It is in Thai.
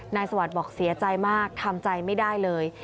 สวัสดิ์บอกเสียใจมากทำใจไม่ได้เลย